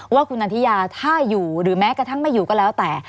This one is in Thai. ว่าคุณนันทิยาถ้าอยู่หรือแม้กระทั่งไม่อยู่ก็แล้วแต่